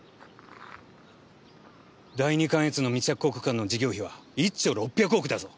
第二関越の未着工区間の事業費は１兆６００億だぞ。